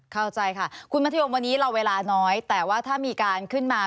เข้าใจค่ะคุณมัธยมวันนี้เราเวลาน้อยแต่ว่าถ้ามีการขึ้นมา